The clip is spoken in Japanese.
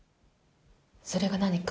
それが何か？